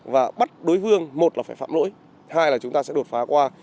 và bắt đối phương một là phải phạm lỗi hai là chúng ta sẽ đột phá qua